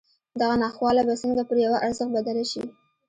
دغه ناخواله به څنګه پر يوه ارزښت بدله شي.